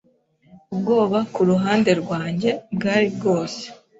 Ubwoba ku ruhande rwanjye, bwari bwose